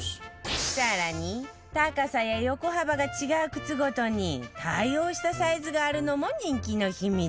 更に高さや横幅が違う靴ごとに対応したサイズがあるのも人気の秘密